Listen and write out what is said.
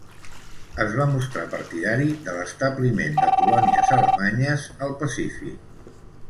Es va mostrar partidari de l'establiment de colònies alemanyes al Pacífic.